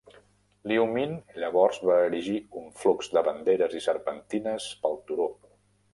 Liu Min llavors va erigir un flux de banderes i serpentines pel turó.